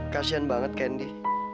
kasian banget kendi